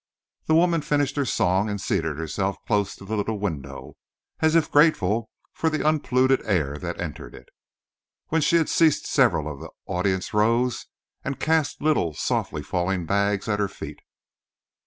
The woman finished her song and seated herself close to the little window, as if grateful for the unpolluted air that entered it. When she had ceased several of the audience rose and cast little softly falling bags at her feet.